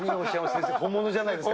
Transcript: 先生、本物じゃないですか。